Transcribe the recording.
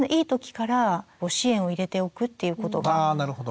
あなるほど。